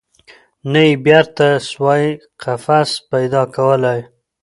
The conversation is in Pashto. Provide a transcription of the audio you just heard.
نه یې بیرته سوای قفس پیدا کولای